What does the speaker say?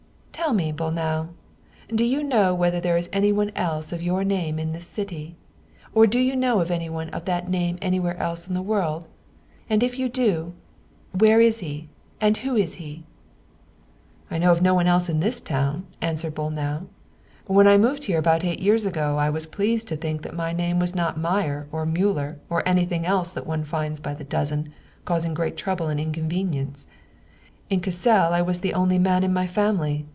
" Tell me, Bolnau, do you know whether there is anyone else of your name in this city ? Or do you know of anyone of that name anywhere else in the world? And if you do, where is he and who is he ?"" I know of no one else in this town/' answered Bolnau. " When I moved here about eight years ago, I was pleased to think that my name was not Meier, or Muller, or any thing else that one finds by the dozen, causing great trouble and inconvenience. In Cassel I was the only man in my family.